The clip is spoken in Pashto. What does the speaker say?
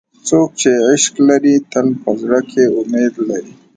څوک چې عشق لري، تل په زړه کې امید لري.